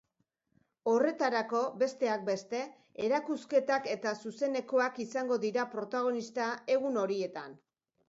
Horretarako, besteak beste, erakusketak eta zuzenekoak izango dira protagonista egun horietan.